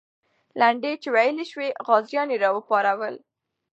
لنډۍ چې ویلې سوې، غازیان یې راوپارول.